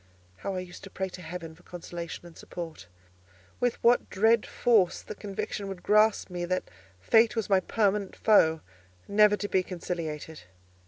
How I used to pray to Heaven for consolation and support! With what dread force the conviction would grasp me that Fate was my permanent foe, never to be conciliated.